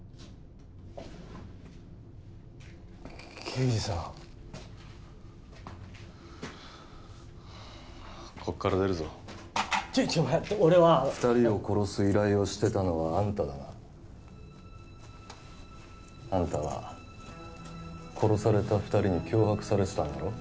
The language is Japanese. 刑事さんこっから出るぞちょちょっと待って俺は二人を殺す依頼をしてたのはあんただな？あんたは殺された二人に脅迫されてたんだろ？